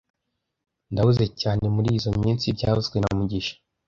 Ndahuze cyane murizoi minsi byavuzwe na mugisha